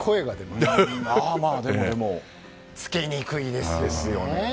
まあ、でもつけにくいですよね。